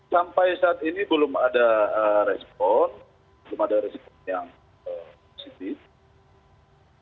sampai saat ini belum ada respon belum ada respon yang positif